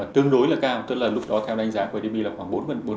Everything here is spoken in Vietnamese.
tương đối là cao tức là lúc đó theo đánh giá của idb là khoảng bốn